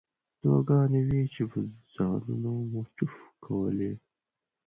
دعاګانې وې چې په ځانونو مو چوف کولې.